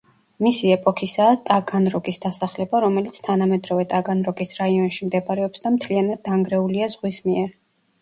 მისი ეპოქისაა ტაგანროგის დასახლება, რომელიც თანამედროვე ტაგანროგის რაიონში მდებარეობს და მთლიანად დანგრეულია ზღვის მიერ.